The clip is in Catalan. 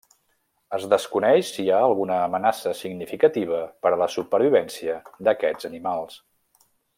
Es desconeix si hi ha alguna amenaça significativa per a la supervivència d'aquests animals.